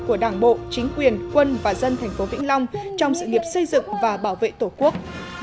của đảng bộ chính quyền quân và dân thành phố vĩnh long trong sự nghiệp xây dựng và bảo vệ tổ quốc